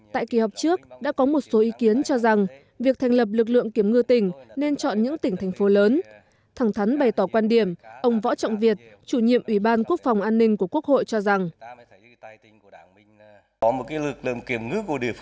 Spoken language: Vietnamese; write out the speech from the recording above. tại kỳ họp trước đã có một số ý kiến cho rằng việc thành lập lực lượng kiểm ngư tỉnh nên chọn những tỉnh thành phố lớn thẳng thắn bày tỏ quan điểm ông võ trọng việt chủ nhiệm ủy ban quốc phòng an ninh của quốc hội cho rằng